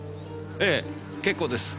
ええ結構です。